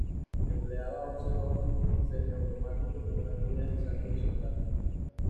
Empleaba un cerrojo semiautomático con una cuña deslizante horizontal.